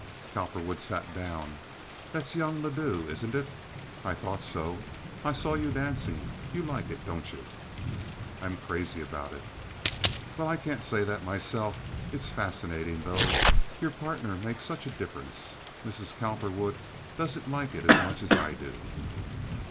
Cowperwood sat down. "That's young Ledoux, isn't it? I thought so. I saw you dancing. You like it, don't you?" "I'm crazy about it." "Well, I can't say that myself. It's fascinating, though. Your partner makes such a difference. Mrs. Cowperwood doesn't like it as much as I do."